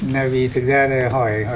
là vì thực ra là hỏi